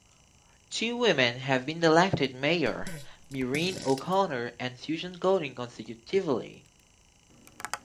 Two women have been elected mayor: Maureen O'Connor and Susan Golding consecutively.